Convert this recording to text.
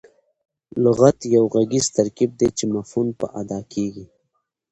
لغت یو ږغیز ترکیب دئ، چي مفهوم په اداء کیږي.